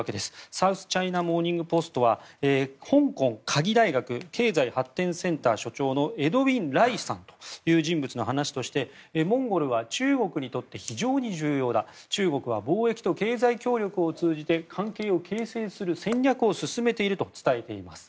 サウスチャイナ・モーニング・ポストは香港科技大学経済発展センター所長のエドウィン・ライさんという人物の話としてモンゴルは中国にとって非常に重要だ中国は貿易と経済協力を通じて関係を形成する戦略を進めていると伝えています。